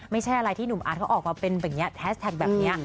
ไม่ใช่อะไรที่หนุ่มอาร์ดเขาออกมาเป็นแบบนี้